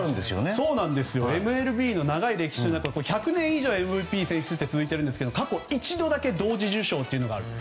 ＭＬＢの長い歴史の中で１００年以上ＭＶＰって続いているんですが過去一度だけ同時受賞がある。